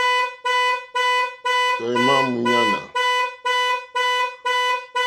Tɔ̀ímá mǃúɲánà.